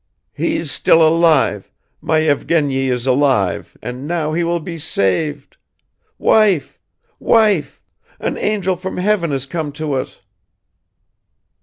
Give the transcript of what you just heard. "He's still alive, my Evgeny is alive and now he will be saved! Wife! Wife! An angel from heaven has come to us